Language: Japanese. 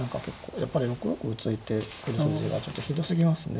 やっぱり６六歩突いて突く筋がちょっとひどすぎますね。